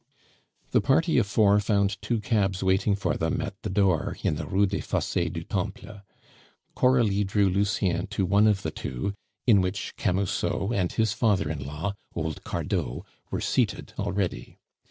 The party of four found two cabs waiting for them at the door in the Rue des Fosses du Temple. Coralie drew Lucien to one of the two, in which Camusot and his father in law old Cardot were seated already.